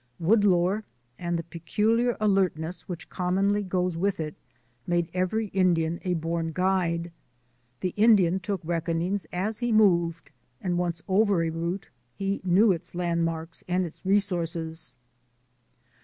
Woodlore and the peculiar alertness which commonly goes with it made every Indian a born guide. The Indian took reckonings as he moved, and once over a route he knew its landmarks and its resources.